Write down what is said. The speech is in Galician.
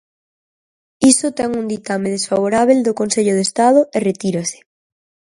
Iso ten un ditame desfavorábel do Consello de Estado e retírase.